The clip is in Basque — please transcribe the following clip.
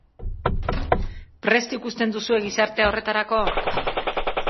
Prest ikusten duzue gizartea horretarako?